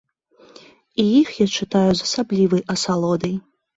І іх я чытаю з асаблівай асалодай.